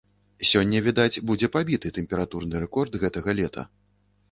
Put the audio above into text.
Сёння, відаць, будзе пабіты тэмпературны рэкорд гэтага лета.